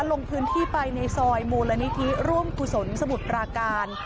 ลงพื้นที่ไปในซอยมูลนิธิร่วมกุศลสมุทรปราการ